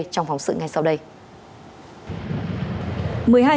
trong phóng sự ngày nay